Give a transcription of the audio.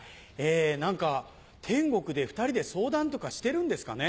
何か天国で２人で相談とかしてるんですかね。